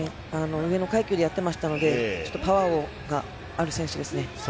上の階級でやってましたのでパワーがある選手ですね。